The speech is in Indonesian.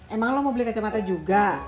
emang lo mau beli kacamata juga